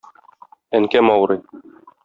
Әнкәм авырый